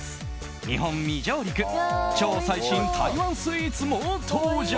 日本未上陸超最新台湾スイーツも登場。